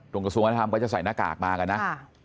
กระทรวงวัฒนธรรมก็จะใส่หน้ากากมากันนะ